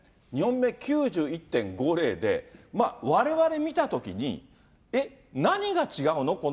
２本目、９１．５０で、われわれ見たときに、えっ、何が違うの？